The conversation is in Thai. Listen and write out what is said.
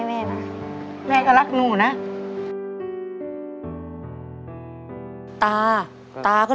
อเรนนี่ต้องมีวัคซีนตัวหนึ่งเพื่อที่จะช่วยดูแลพวกม้ามและก็ระบบในร่างกาย